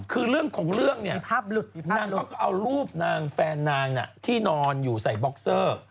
คือเรื่องของเรื่องเนี่ยนางเขาก็เอารูปนางแฟนนางที่นอนอยู่ใส่บ็อกเซอร์